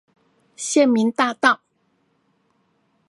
縣民大道